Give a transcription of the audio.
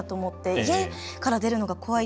家から出るのが怖い。